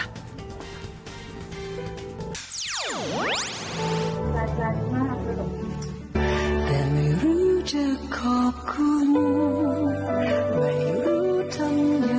คุณป้ารายไม่รู้ว่าสิ่งไหนจะยังไง